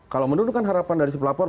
kalau menurunkan harapan dari si pelapor